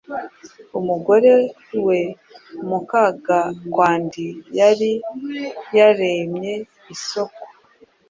umugore we Mukagakwandi yari yaremye isoko